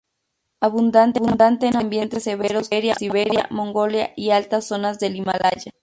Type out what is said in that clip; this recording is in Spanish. Abundante en ambientes severos como Siberia, Mongolia y altas zonas del Himalaya.